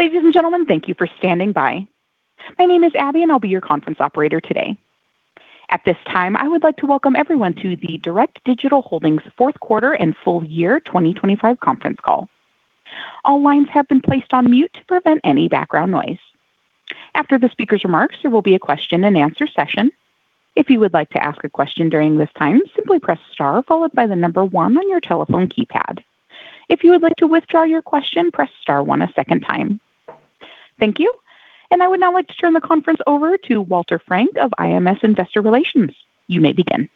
Ladies and gentlemen, thank you for standing by. My name is Abby, and I'll be your conference operator today. At this time, I would like to welcome everyone to the Direct Digital Holdings Q4 and full year 2025 conference call. All lines have been placed on mute to prevent any background noise. After the speaker's remarks, there will be a question and answer session. If you would like to ask a question during this time, simply press star followed by the number one on your telephone keypad. If you would like to withdraw your question, press star one a second time. Thank you. I would now like to turn the conference over to Walter Frank of IMS Investor Relations. You may begin.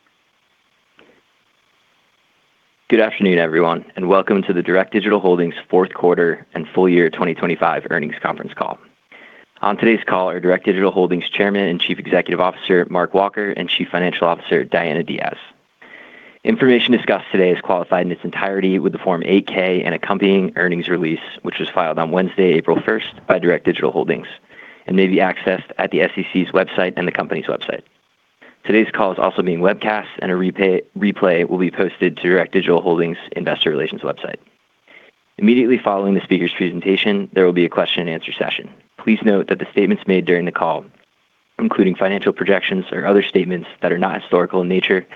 Good afternoon, everyone, and welcome to the Direct Digital Holdings Q4 and full year 2025 earnings conference call. On today's call are Direct Digital Holdings Chairman and Chief Executive Officer, Mark Walker, and Chief Financial Officer, Diana Diaz. Information discussed today is qualified in its entirety with the Form 8-K and accompanying earnings release, which was filed on Wednesday, April 1st, by Direct Digital Holdings, and may be accessed at the SEC's website and the company's website. Today's call is also being webcast, and a replay will be posted to Direct Digital Holdings' investor relations website. Immediately following the speakers' presentation, there will be a question and answer session. Please note that the statements made during the call, including financial projections or other statements that are not historical in nature,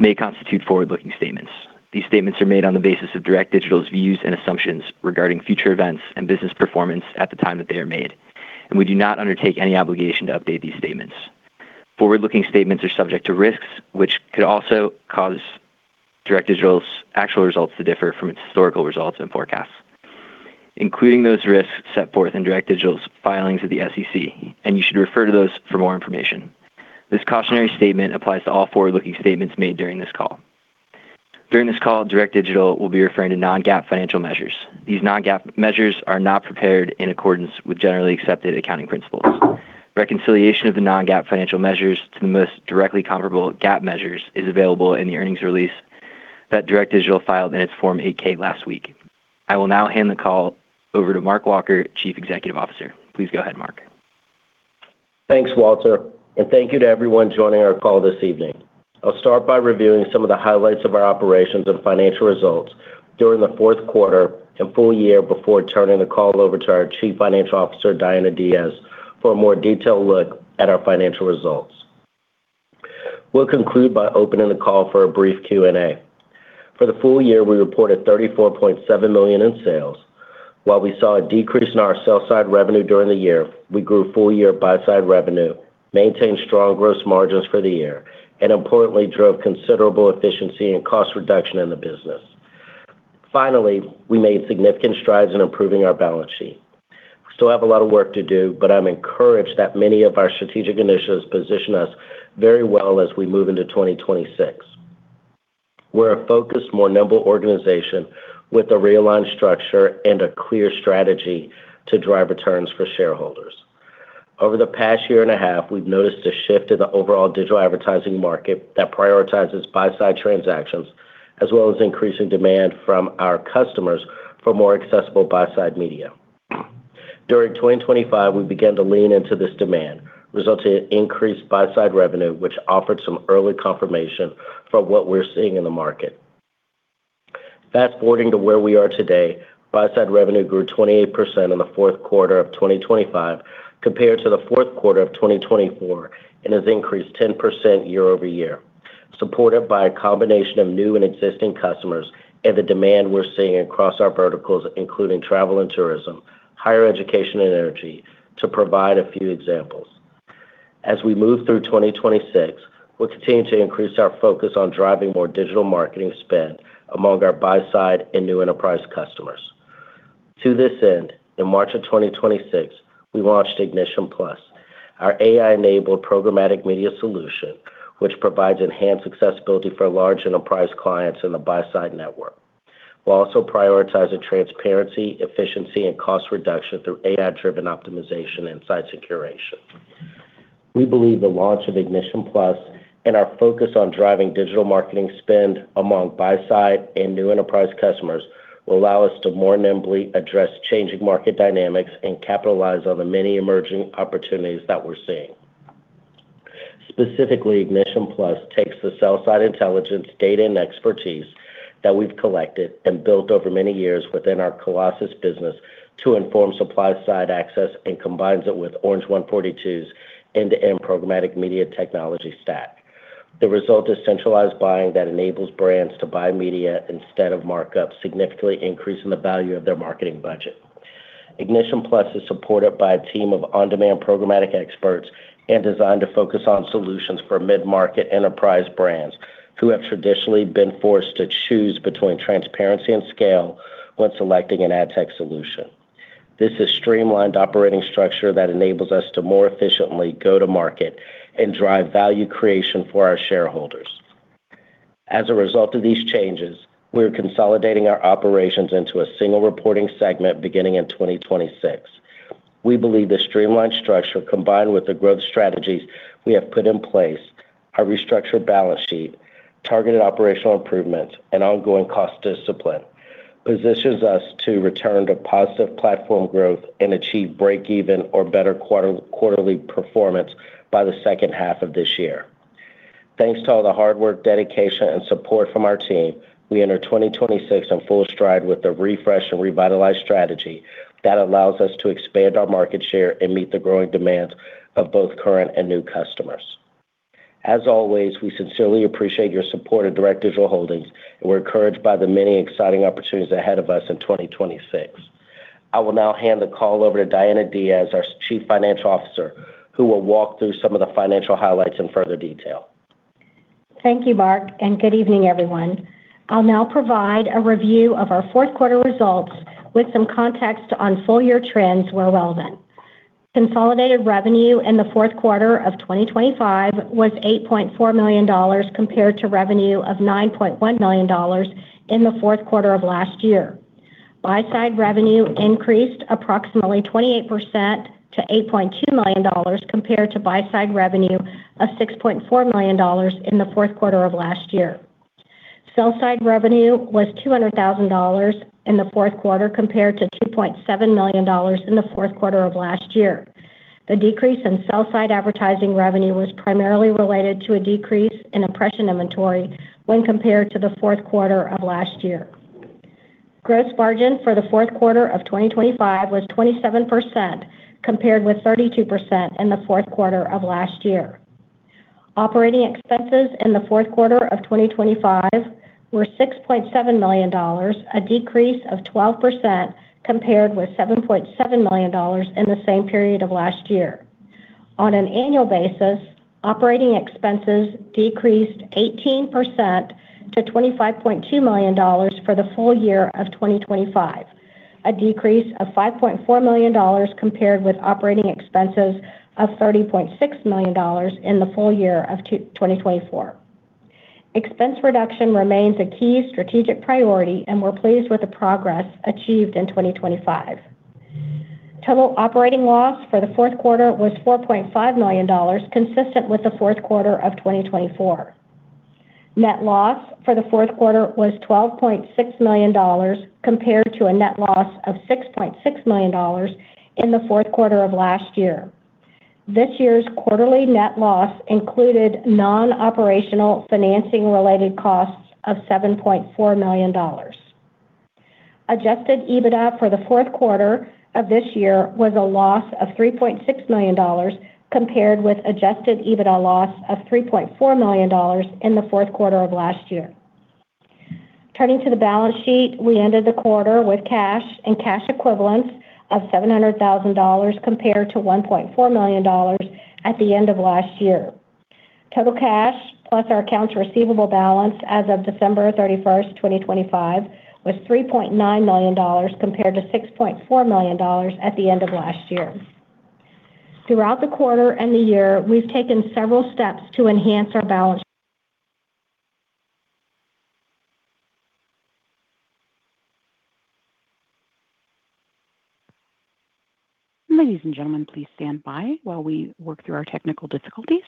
may constitute forward-looking statements. These statements are made on the basis of Direct Digital's views and assumptions regarding future events and business performance at the time that they are made, and we do not undertake any obligation to update these statements. Forward-looking statements are subject to risks which could also cause Direct Digital's actual results to differ from its historical results and forecasts, including those risks set forth in Direct Digital's filings with the SEC, and you should refer to those for more information. This cautionary statement applies to all forward-looking statements made during this call. During this call, Direct Digital will be referring to non-GAAP financial measures. These non-GAAP measures are not prepared in accordance with generally accepted accounting principles. Reconciliation of the non-GAAP financial measures to the most directly comparable GAAP measures is available in the earnings release that Direct Digital filed in its Form 8-K last week. I will now hand the call over to Mark Walker, Chief Executive Officer. Please go ahead, Mark. Thanks, Walter, and thank you to everyone joining our call this evening. I'll start by reviewing some of the highlights of our operations and financial results during the Q4 and full year before turning the call over to our Chief Financial Officer, Diana Diaz, for a more detailed look at our financial results. We'll conclude by opening the call for a brief Q&A. For the full year, we reported $34.7 million in sales. While we saw a decrease in our sell-side revenue during the year, we grew full-year buy-side revenue, maintained strong gross margins for the year, and importantly, drove considerable efficiency and cost reduction in the business. Finally, we made significant strides in improving our balance sheet. We still have a lot of work to do, but I'm encouraged that many of our strategic initiatives position us very well as we move into 2026. We're a focused, more nimble organization with a realigned structure and a clear strategy to drive returns for shareholders. Over the past year and a half, we've noticed a shift in the overall digital advertising market that prioritizes buy-side transactions, as well as increasing demand from our customers for more accessible buy-side media. During 2025, we began to lean into this demand, resulting in increased buy-side revenue, which offered some early confirmation for what we're seeing in the market. Fast-forwarding to where we are today, buy-side revenue grew 28% in the Q4 of 2025 compared to the Q4 of 2024, and has increased 10% year-over-year, supported by a combination of new and existing customers and the demand we're seeing across our verticals, including travel and tourism, higher education, and energy, to provide a few examples. As we move through 2026, we'll continue to increase our focus on driving more digital marketing spend among our buy-side and new enterprise customers. To this end, in March of 2026, we launched Ignition+, our AI-enabled programmatic media solution, which provides enhanced accessibility for large enterprise clients in the buy-side network. We'll also prioritize the transparency, efficiency, and cost reduction through AI-driven optimization and site curation. We believe the launch of Ignition+ and our focus on driving digital marketing spend among buy-side and new enterprise customers will allow us to more nimbly address changing market dynamics and capitalize on the many emerging opportunities that we're seeing. Specifically, Ignition+ takes the sell-side intelligence, data, and expertise that we've collected and built over many years within our Colossus business to inform supply-side access and combines it with Orange 142's end-to-end programmatic media technology stack. The result is centralized buying that enables brands to buy media instead of markups, significantly increasing the value of their marketing budget. Ignition+ is supported by a team of on-demand programmatic experts and designed to focus on solutions for mid-market enterprise brands who have traditionally been forced to choose between transparency and scale when selecting an ad tech solution. This is a streamlined operating structure that enables us to more efficiently go to market and drive value creation for our shareholders. As a result of these changes, we're consolidating our operations into a single reporting segment beginning in 2026. We believe this streamlined structure, combined with the growth strategies we have put in place, our restructured balance sheet, targeted operational improvements, and ongoing cost discipline, positions us to return to positive platform growth and achieve break even or better quarterly performance by the H2 of this year. Thanks to all the hard work, dedication, and support from our team, we enter 2026 in full stride with a refreshed and revitalized strategy that allows us to expand our market share and meet the growing demands of both current and new customers. As always, we sincerely appreciate your support of Direct Digital Holdings, and we're encouraged by the many exciting opportunities ahead of us in 2026. I will now hand the call over to Diana Diaz, our Chief Financial Officer, who will walk through some of the financial highlights in further detail. Thank you, Mark, and good evening, everyone. I'll now provide a review of our Q4 results with some context on full-year trends where relevant. Consolidated revenue in the Q4 of 2025 was $8.4 million, compared to revenue of $9.1 million in the Q4 of last year. Buy-side revenue increased approximately 28% to $8.2 million, compared to buy-side revenue of $6.4 million in the Q4 of last year. Sell-side revenue was $200,000 in the Q4, compared to $2.7 million in the Q4 of last year. The decrease in sell-side advertising revenue was primarily related to a decrease in impression inventory when compared to the Q4 of last year. Gross margin for the Q4 of 2025 was 27%, compared with 32% in the Q4 of last year. Operating expenses in the Q4 of 2025 were $6.7 million, a decrease of 12% compared with $7.7 million in the same period of last year. On an annual basis, operating expenses decreased 18% to $25.2 million for the full year of 2025, a decrease of $5.4 million compared with operating expenses of $30.6 million in the full year of 2024. Expense reduction remains a key strategic priority, and we're pleased with the progress achieved in 2025. Total operating loss for the Q4 was $4.5 million, consistent with the Q4 of 2024. Net loss for the Q4 was $12.6 million, compared to a net loss of $6.6 million in the Q4 of last year. This year's quarterly net loss included non-operational financing related costs of $7.4 million. Adjusted EBITDA for the Q4 of this year was a loss of $3.6 million, compared with adjusted EBITDA loss of $3.4 million in the Q4 of last year. Turning to the balance sheet, we ended the quarter with cash and cash equivalents of $700,000 compared to $1.4 million at the end of last year. Total cash, plus our accounts receivable balance as of December 31st, 2025, was $3.9 million compared to $6.4 million at the end of last year. Throughout the quarter and the year, we've taken several steps to enhance our balance- Ladies and gentlemen, please stand by while we work through our technical difficulties.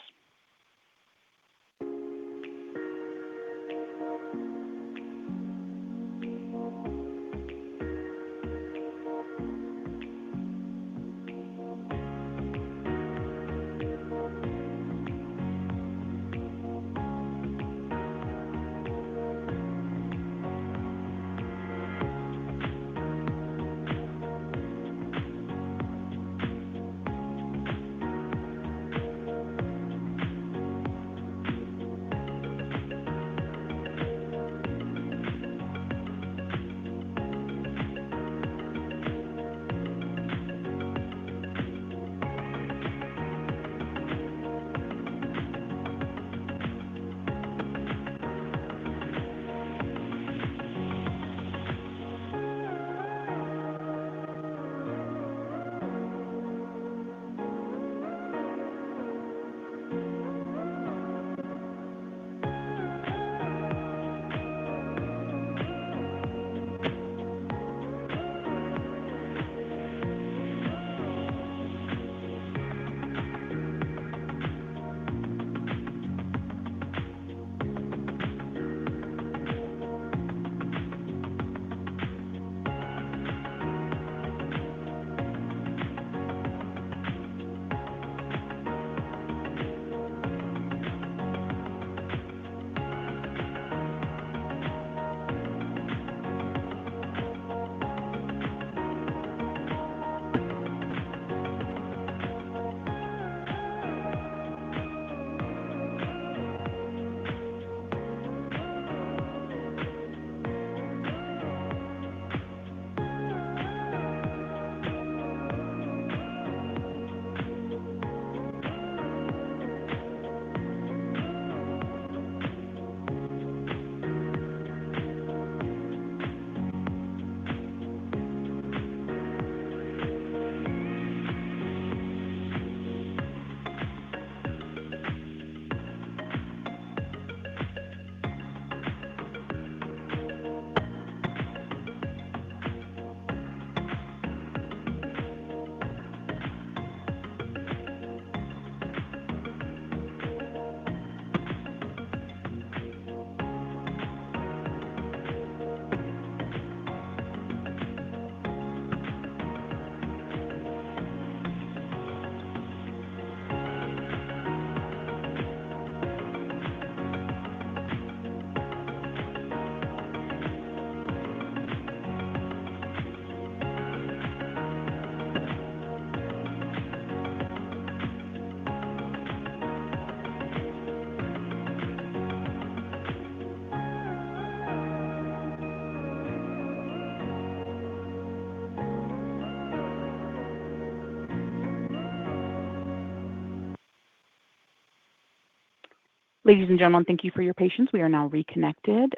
Ladies and gentlemen, thank you for your patience. We are now reconnected.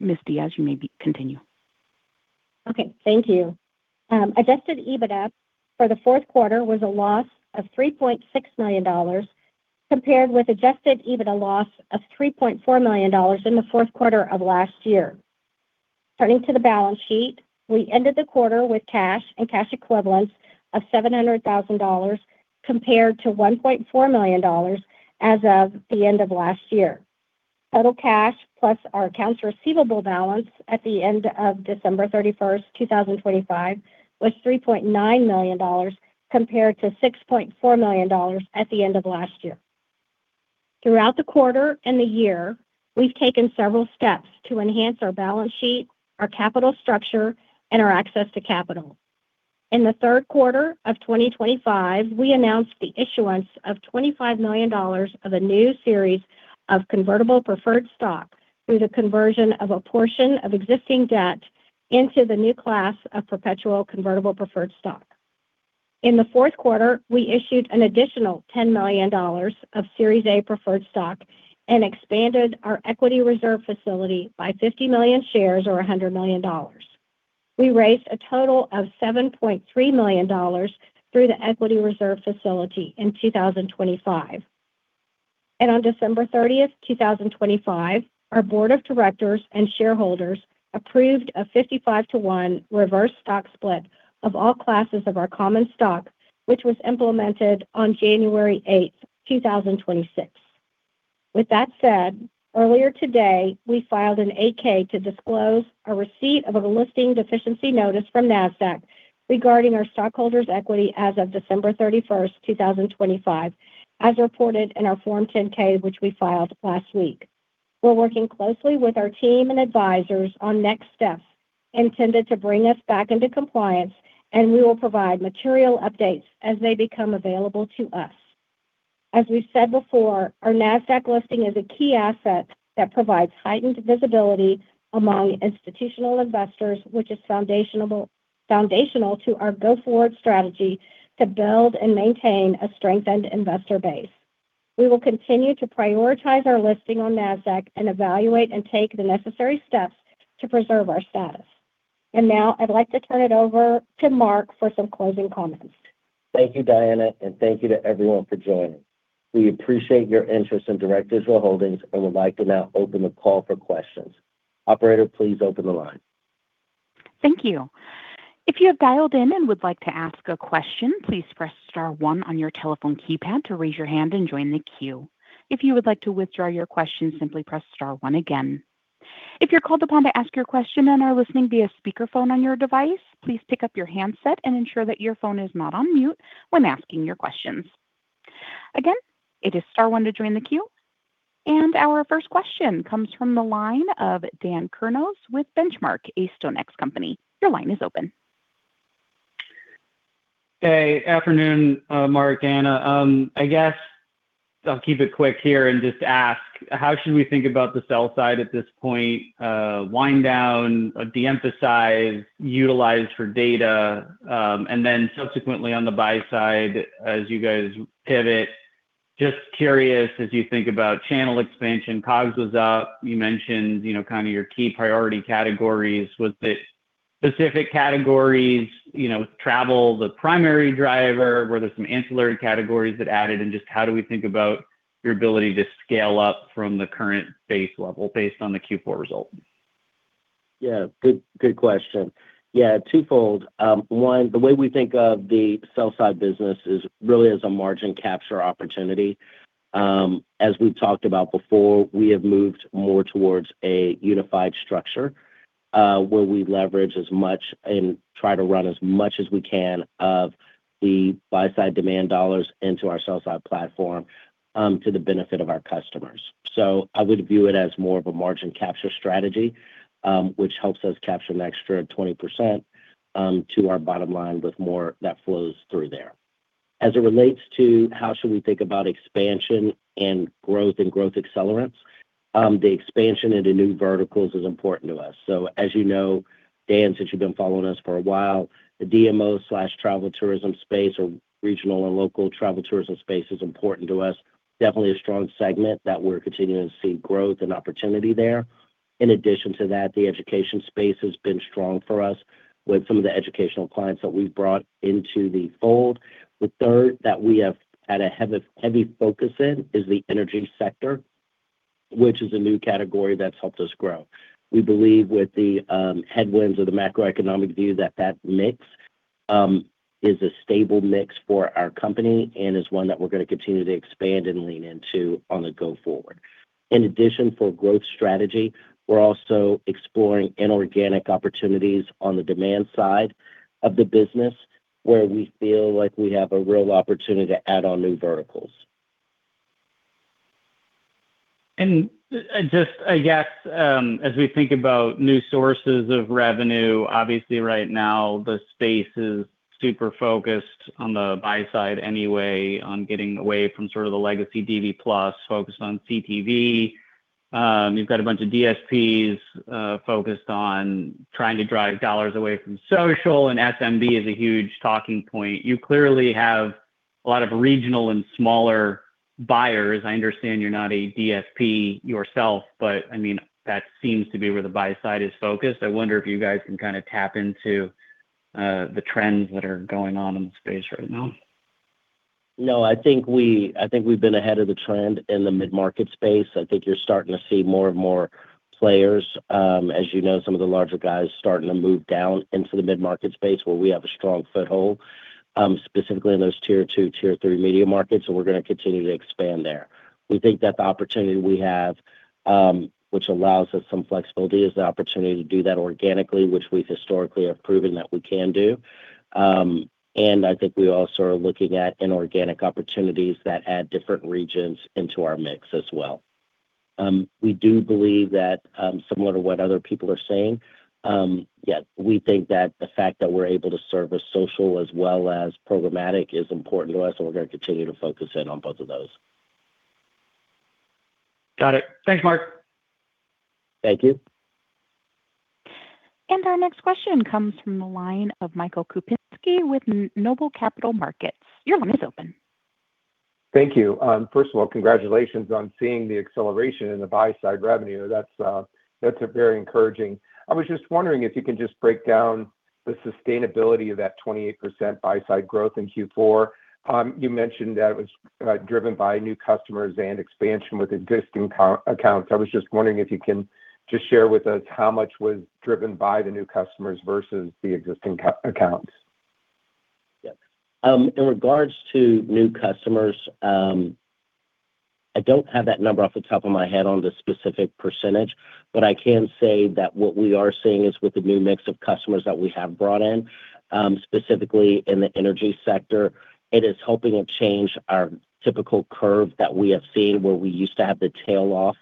Ms. Diaz, you may continue. Okay. Thank you. Adjusted EBITDA for the Q4 was a loss of $3.6 million, compared with Adjusted EBITDA loss of $3.4 million in the Q4 of last year. Turning to the balance sheet, we ended the quarter with cash and cash equivalents of $700,000, compared to $1.4 million as of the end of last year. Total cash plus our accounts receivable balance at the end of December 31st, 2025, was $3.9 million, compared to $6.4 million at the end of last year. Throughout the quarter and the year, we've taken several steps to enhance our balance sheet, our capital structure, and our access to capital. In the Q3 of 2025, we announced the issuance of $25 million of a new series of convertible preferred stock through the conversion of a portion of existing debt into the new class of perpetual convertible preferred stock. In the Q4, we issued an additional $10 million of Series A preferred stock and expanded our equity reserve facility by 50 million shares or $100 million. We raised a total of $7.3 million through the equity reserve facility in 2025. On December 30th, 2025, our board of directors and shareholders approved a 55-to-1 reverse stock split of all classes of our common stock, which was implemented on January 8th, 2026. With that said, earlier today, we filed an 8-K to disclose a receipt of a listing deficiency notice from NASDAQ regarding our stockholders' equity as of December 31st, 2025, as reported in our Form 10-K, which we filed last week. We're working closely with our team and advisors on next steps intended to bring us back into compliance, and we will provide material updates as they become available to us. As we said before, our NASDAQ listing is a key asset that provides heightened visibility among institutional investors, which is foundational to our go-forward strategy to build and maintain a strengthened investor base. We will continue to prioritize our listing on NASDAQ and evaluate and take the necessary steps to preserve our status. Now I'd like to turn it over to Mark for some closing comments. Thank you, Diana, and thank you to everyone for joining. We appreciate your interest in Direct Digital Holdings and would like to now open the call for questions. Operator, please open the line. Thank you. If you have dialed in and would like to ask a question, please press star one on your telephone keypad to raise your hand and join the queue. If you would like to withdraw your question, simply press star one again. If you're called upon to ask your question and are listening via speakerphone on your device, please pick up your handset and ensure that your phone is not on mute when asking your questions. Again, it is star one to join the queue. Our first question comes from the line of Dan Kurnos with Benchmark, a StoneX Company. Your line is open. Hey. Afternoon, Mark, Diana. I guess I'll keep it quick here and just ask, how should we think about the sell side at this point? Wind down, de-emphasize, utilize for data? And then subsequently on the buy side, as you guys pivot, just curious as you think about channel expansion, COGS was up, you mentioned kind of your key priority categories. Was the specific categories, travel, the primary driver? Were there some ancillary categories that added? And just how do we think about your ability to scale up from the current base level based on the Q4 results? Yeah. Good question. Yeah, twofold. One, the way we think of the sell-side business is really as a margin capture opportunity. As we've talked about before, we have moved more towards a unified structure, where we leverage as much and try to run as much as we can of the buy side demand dollars into our sell-side platform, to the benefit of our customers. I would view it as more of a margin capture strategy, which helps us capture an extra 20% to our bottom line with more that flows through there. As it relates to how should we think about expansion and growth and growth accelerants, the expansion into new verticals is important to us. As you know, Dan, since you've been following us for a while, the DMO/travel tourism space or regional and local travel tourism space is important to us. Definitely a strong segment that we're continuing to see growth and opportunity there. In addition to that, the education space has been strong for us with some of the educational clients that we've brought into the fold. The third that we have had a heavy focus in is the energy sector, which is a new category that's helped us grow. We believe with the headwinds of the macroeconomic view, that that mix is a stable mix for our company and is one that we're going to continue to expand and lean into on the go forward. In addition for growth strategy, we're also exploring inorganic opportunities on the demand side of the business, where we feel like we have a real opportunity to add on new verticals. Just, I guess, as we think about new sources of revenue, obviously right now the space is super focused on the buy side anyway, on getting away from sort of the legacy DV+, focused on CTV. You've got a bunch of DSPs focused on trying to drive dollars away from social, and SMB is a huge talking point. You clearly have a lot of regional and smaller buyers. I understand you're not a DSP yourself, but that seems to be where the buy side is focused. I wonder if you guys can kind of tap into the trends that are going on in the space right now. No, I think we've been ahead of the trend in the mid-market space. I think you're starting to see more and more players. As you know, some of the larger guys starting to move down into the mid-market space where we have a strong foothold, specifically in those tier two, tier three media markets, and we're going to continue to expand there. We think that the opportunity we have, which allows us some flexibility, is the opportunity to do that organically, which we historically have proven that we can do. I think we also are looking at inorganic opportunities that add different regions into our mix as well. We do believe that, similar to what other people are saying, yeah, we think that the fact that we're able to service social as well as programmatic is important to us, and we're going to continue to focus in on both of those. Got it. Thanks, Mark. Thank you. Our next question comes from the line of Michael Kupinski with Noble Capital Markets. Your line is open. Thank you. First of all, congratulations on seeing the acceleration in the buy side revenue. That's very encouraging. I was just wondering if you can just break down the sustainability of that 28% buy side growth in Q4. You mentioned that it was driven by new customers and expansion with existing accounts. I was just wondering if you can just share with us how much was driven by the new customers versus the existing accounts. Yes. In regards to new customers, I don't have that number off the top of my head on the specific percentage. I can say that what we are seeing is with the new mix of customers that we have brought in, specifically in the energy sector, it is helping to change our typical curve that we have seen where we used to have the tail off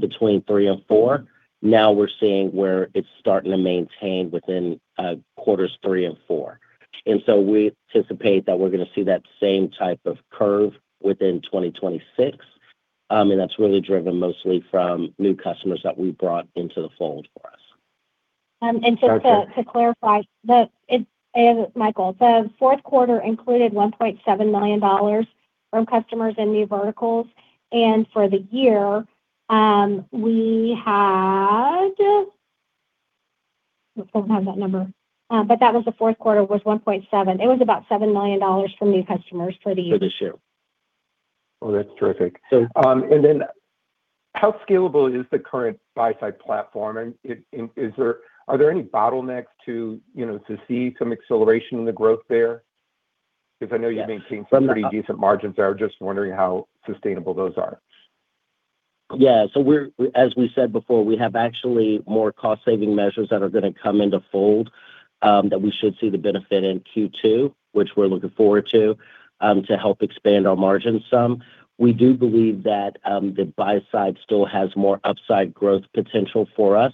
between three and four. Now we're seeing where it's starting to maintain within quarters three and four. We anticipate that we're going to see that same type of curve within 2026. That's really driven mostly from new customers that we brought into the fold for us. Just to clarify, Michael, the Q4 included $1.7 million from customers in new verticals. For the year, I don't have that number. That was the Q, was $1.7 million. It was about $7 million from new customers for the year. For this year. Oh, that's terrific. So- How scalable is the current buy-side platform? Are there any bottlenecks to see some acceleration in the growth there? Because I know you've maintained- Yes. Some pretty decent margins there. I was just wondering how sustainable those are. Yeah. As we said before, we have actually more cost-saving measures that are going to come into fold, that we should see the benefit in Q2, which we're looking forward to help expand our margins some. We do believe that the buy side still has more upside growth potential for us,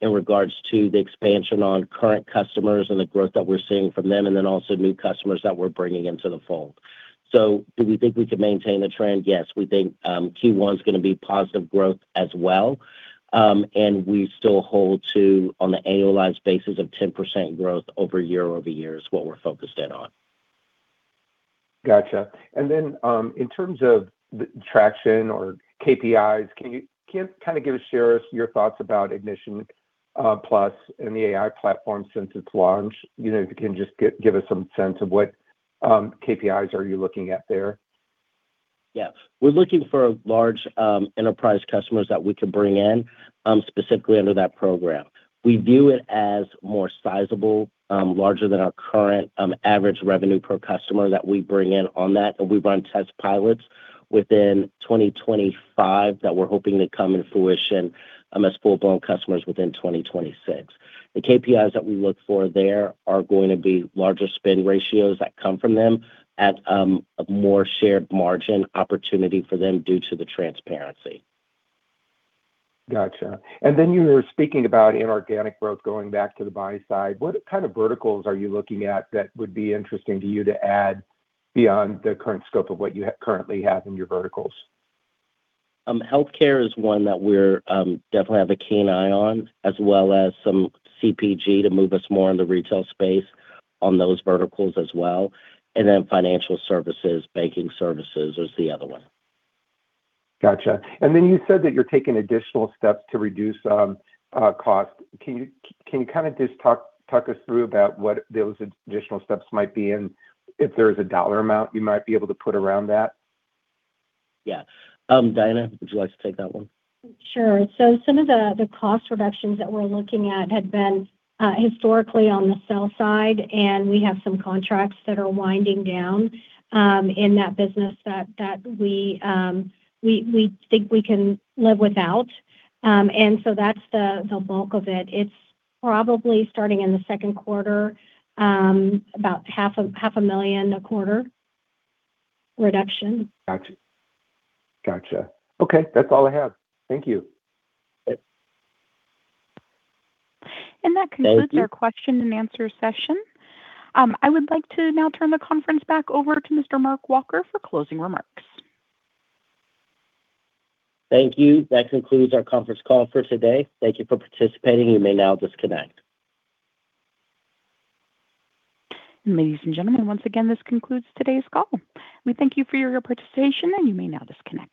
in regards to the expansion on current customers and the growth that we're seeing from them, and then also new customers that we're bringing into the fold. Do we think we can maintain the trend? Yes. We think Q1's going to be positive growth as well. We still hold to on the annualized basis of 10% growth year-over-year is what we're focused in on. Got you. In terms of the traction or KPIs, can you kind of share with us your thoughts about Ignition+ and the AI platform since its launch? If you can just give us some sense of what KPIs are you looking at there? Yeah. We're looking for large enterprise customers that we can bring in, specifically under that program. We view it as more sizable, larger than our current average revenue per customer that we bring in on that. We run test pilots within 2025 that we're hoping to come into fruition as full-blown customers within 2026. The KPIs that we look for there are going to be larger spend ratios that come from them at a more shared margin opportunity for them due to the transparency. Got you. You were speaking about inorganic growth, going back to the buy side. What kind of verticals are you looking at that would be interesting to you to add beyond the current scope of what you currently have in your verticals? Healthcare is one that we definitely have a keen eye on, as well as some CPG to move us more in the retail space on those verticals as well. Financial services, banking services is the other one. Got you. You said that you're taking additional steps to reduce cost. Can you kind of just talk us through about what those additional steps might be and if there is a dollar amount you might be able to put around that? Yeah. Diana, would you like to take that one? Sure. Some of the cost reductions that we're looking at had been historically on the sell side, and we have some contracts that are winding down in that business that we think we can live without. That's the bulk of it. It's probably starting in the Q2, about $500,000 a quarter reduction. Got you. Okay. That's all I have. Thank you. Thanks. Thank you. That concludes our question and answer session. I would like to now turn the conference back over to Mr. Mark Walker for closing remarks. Thank you. That concludes our conference call for today. Thank you for participating. You may now disconnect. Ladies and gentlemen, once again, this concludes today's call. We thank you for your participation, and you may now disconnect.